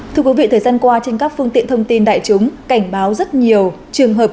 thưa quý vị thời gian qua trên các phương tiện thông tin đại chúng cảnh báo rất nhiều trường hợp